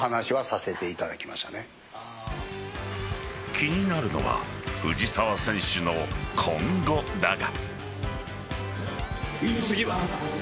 気になるのは藤澤選手の今後だが。